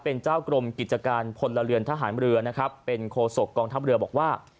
เป็นเจ้ากรมกิจการพลเรือนทหารเรือนะครับเป็นโคศกกองทัพเรือบอกว่า